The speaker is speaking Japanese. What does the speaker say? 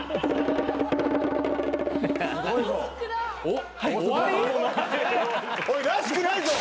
おいらしくないぞ。